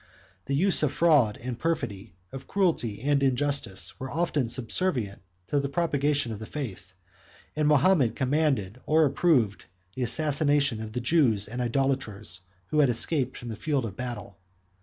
The use of fraud and perfidy, of cruelty and injustice, were often subservient to the propagation of the faith; and Mahomet commanded or approved the assassination of the Jews and idolaters who had escaped from the field of battle.